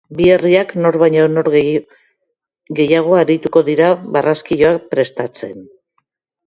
Bi herriak nor baino nor gehiago arituko dira barraskiloak prestatzen.